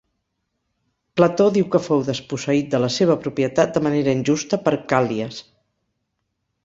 Plató diu que fou desposseït de la seva propietat de manera injusta per Càl·lies.